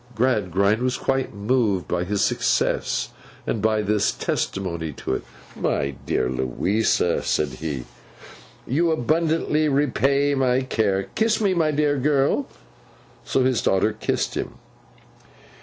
Gradgrind was quite moved by his success, and by this testimony to it. 'My dear Louisa,' said he, 'you abundantly repay my care. Kiss me, my dear girl.' So, his daughter kissed him.